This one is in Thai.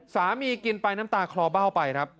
กินไปน้ำตาคลอเบ้าไปครับ